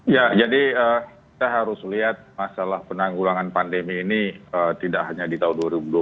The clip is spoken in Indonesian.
ya jadi kita harus lihat masalah penanggulangan pandemi ini tidak hanya di tahun dua ribu dua puluh